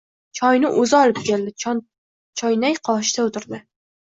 Choyni o‘zi olib keldi. Choynak qoshida o‘tirdi.